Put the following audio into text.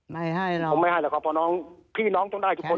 ไม่ให้แล้วผมไม่ให้หรอกครับเพราะน้องพี่น้องต้องได้ทุกคน